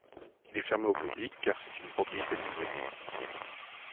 Il est fermé au public car c'est une propriété privée.